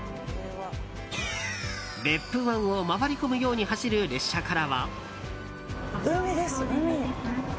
別府湾を回り込むように走る列車からは。